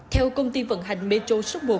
theo công ty vận hành metro số một